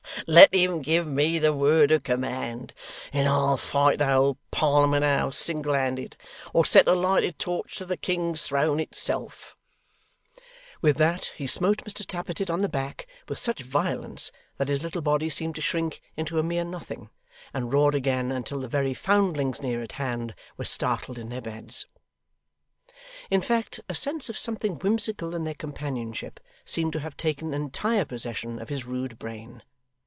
Let him give me the word of command, and I'll fight the whole Parliament House single handed, or set a lighted torch to the King's Throne itself!' With that, he smote Mr Tappertit on the back, with such violence that his little body seemed to shrink into a mere nothing; and roared again until the very foundlings near at hand were startled in their beds. In fact, a sense of something whimsical in their companionship seemed to have taken entire possession of his rude brain.